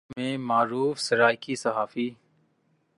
الحمرا میں معروف سرائیکی صحافی